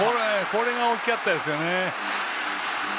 これが大きかったですね。